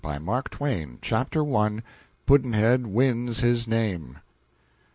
Mark Twain. CHAPTER I. Pudd'nhead Wins His Name.